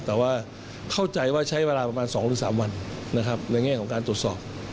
แต่ว่าเข้าใจว่าใช้เวลาประมาณ๒๓วันนะครับในแง่ของการตรวจสอบ